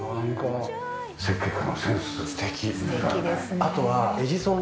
あとは。